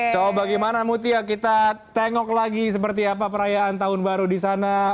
coba bagaimana mutia kita tengok lagi seperti apa perayaan tahun baru di sana